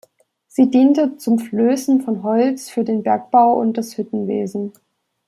Sie diente zum Flößen von Holz für den Bergbau und das Hüttenwesen.